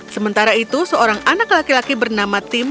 sementara itu seorang anak laki laki bernama tim